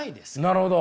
なるほど。